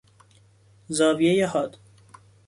زاویهی حاد